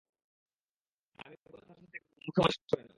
আমি বলি, মাথার সাথে সাথে মুখেও মালিশ করিয়ে নেও।